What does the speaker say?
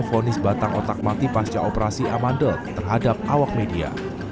fonis batang otak mati pasca operasi amandel terhadap awak media